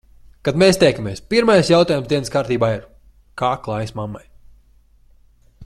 Kad mēs tiekamies, pirmais jautājums dienas kārtībā ir - kā klājas mammai?